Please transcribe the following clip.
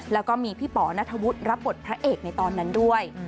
แล้วก็มีพี่ป๋อนัทวุฒิรับบทพระเอกในตอนนั้นด้วย